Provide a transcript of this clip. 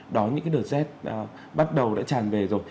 đó những cái đợt z bắt đầu đã tràn về rồi